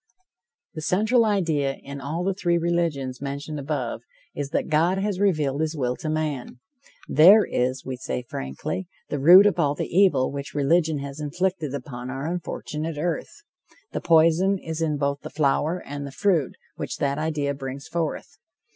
The central idea in all the three religions mentioned above, is that God has revealed his will to man. There is, we say frankly, the root of all the evil which religion has inflicted upon our unfortunate earth. The poison is in both the flower and the fruit which that idea brings forth.